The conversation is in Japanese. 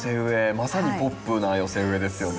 まさにポップな寄せ植えですよね。